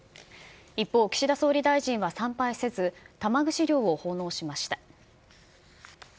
一方、岸田総理大臣は参拝せず、玉串料を奉納しました。